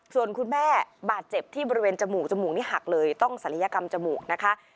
ส่วนคุณแม่บาดเจ็บที่บริเวณจมูกจมูกนี้หักเลยต้องศัลยกรรมจมูกนะคะ